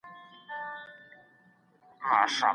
د وضعيت، حالاتو او قرائنو تغير حکم بدلوي.